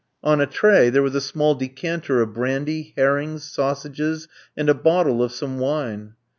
On a tray there was a small decanter of brandy, herrings, sausages, and a bottle of some wine.